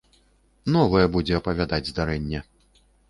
Новае будзе апавядаць здарэнне.